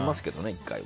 １回は。